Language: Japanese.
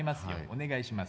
お願いします